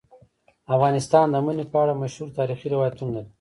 افغانستان د منی په اړه مشهور تاریخی روایتونه لري.